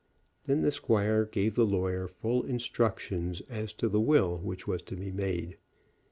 Then the squire gave the lawyer full instructions as to the will which was to be made.